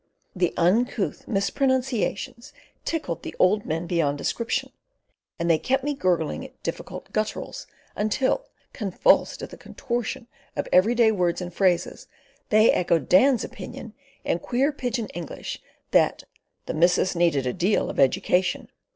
The uncouth mispronunciations tickled the old men beyond description, and they kept me gurgling at difficult gutturals, until, convulsed at the contortion of everyday words and phrases, they echoed Dan's opinion in queer pidgin English that the "missus needed a deal of education."